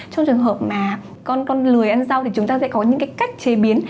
trong trường hợp mà con lười ăn rau thì chúng ta sẽ có những cách chế biến